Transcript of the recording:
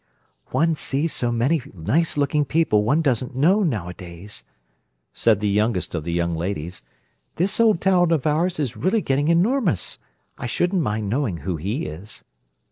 "One sees so many nice looking people one doesn't know nowadays," said the youngest of the young ladies. "This old town of ours is really getting enormous. I shouldn't mind knowing who he is."